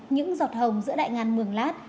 những giọt hồng giữa đại ngàn mường lát